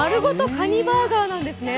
カニバーガーなんですね。